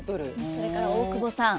それから大久保さん